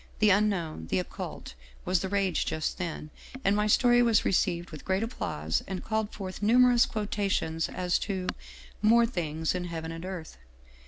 The Unknown, the Occult, was the rage just then, and my story was received with great applause and called forth numerous quotations as to ' more things in heaven and earth.'